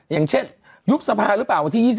อย่างเช่นยุบสภาหรือเปล่าวันที่๒๒